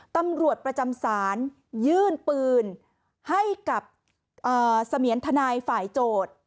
ตำรวจประจำศาลยื่นปืนให้กับเสมียนทนายฝ่ายโจทย์